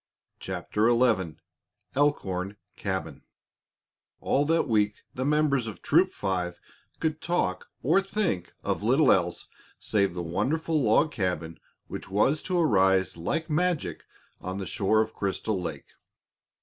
CHAPTER XI ELKHORN CABIN All that week the members of Troop Five could talk or think of little else save the wonderful log cabin which was to arise like magic on the shore of Crystal Lake.